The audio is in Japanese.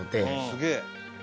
すげえ。